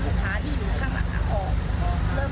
ดูข้างหลังได้เจอลูกค้าที่ออก